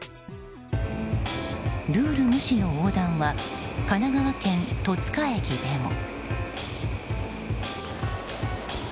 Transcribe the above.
ルール無視の横断は神奈川県戸塚駅でも。